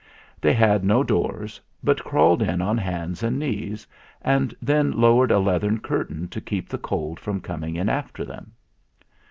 They had no doors, but crawled in on hands and knees, and then lowered a leathern curtain to keep the cold from coming in after them.